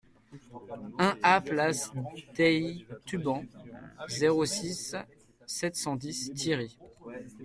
un A place Dei Tubans, zéro six, sept cent dix, Thiéry